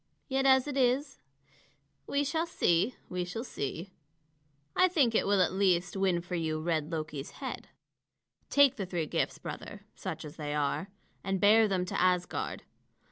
Yet as it is we shall see, we shall see. I think it will at least win for you red Loki's head. Take the three gifts, brother, such as they are, and bear them to Asgard.